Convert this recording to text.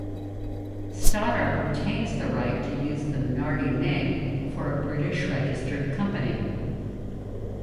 Stoddart retains the right to use the Minardi name for a British-registered company.